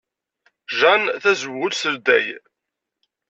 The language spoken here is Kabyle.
Jjan tazewwut teldey.